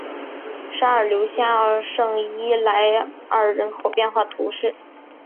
沙尔留下圣伊莱尔人口变化图示